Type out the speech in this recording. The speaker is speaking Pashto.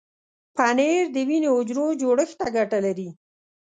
پنېر د وینې حجرو جوړښت ته ګټه لري.